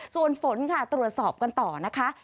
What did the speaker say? ส่วนฝนค่ะตรวจสอบกันต่อนะคะ